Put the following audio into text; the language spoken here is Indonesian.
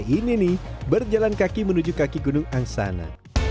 ini nih berjalan kaki menuju kaki gunung angsana